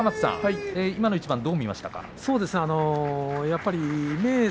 今の一番、どう見ましたか。